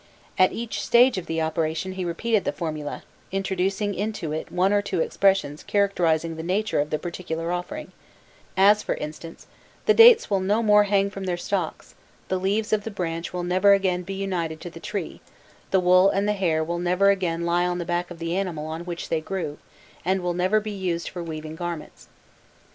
At each stage of the operation he repeated the formula, introducing into it one or two expressions characterizing the nature of the particular offering; as, for instance, "the dates will no more hang from their stalks, the leaves of the branch will never again be united to the tree, the wool and the hair will never again lie on the back of the animal on which they grew, and will never be used for weaving garments."